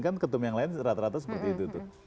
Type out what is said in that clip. kan ketum yang lain rata rata seperti itu tuh